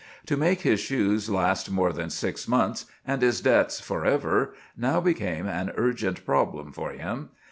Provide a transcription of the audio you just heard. To make his shoes last more than six months, and his debts forever, now became an urgent problem for him.